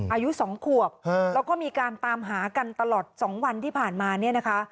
อายุ๒ขวบแล้วก็มีการตามหากันตลอด๒วันที่ผ่านมาเนี่ยนะคะ